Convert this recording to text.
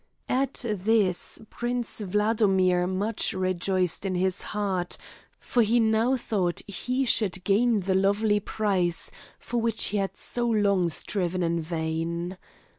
At this Prince Wladomir much rejoiced in his heart, for he now thought he should gain the lovely prize for which he had so long striven in vain.